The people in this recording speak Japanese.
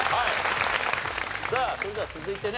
それでは続いてね